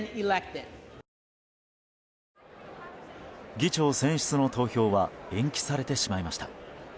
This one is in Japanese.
議長選出の投票は延期されてしまいました。